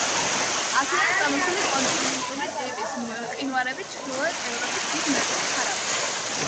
აქედან წამოსული კონტინენტური ტიპის მყინვარები ჩრდილოეთ ევროპის დიდ ნაწილს ფარავდა.